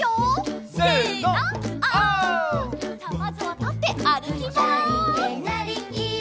さあまずはたってあるきます！